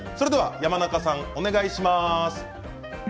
山中さん、お願いします。